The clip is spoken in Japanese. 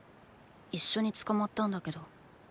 一緒に捕まったんだけど。